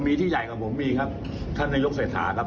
มีที่ใหญ่กับผมมีท่านนายกเศรษฐานะครับ